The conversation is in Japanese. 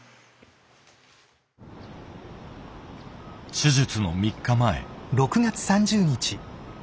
手術の３日前。